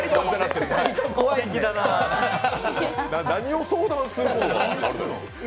何を相談することがあるのよ。